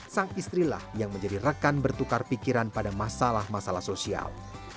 sang istrilah yang menjadi rekan bertukar pikiran pada masalah masalah sosial